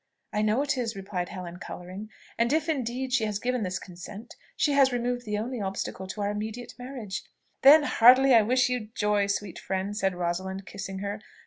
"I know it is," replied Helen, colouring: "and if indeed she has given this consent, she has removed the only obstacle to our immediate marriage." "Then heartily I wish you joy, sweet friend!" said Rosalind, kissing her.